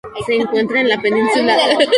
Se encuentra en la Península de Kola.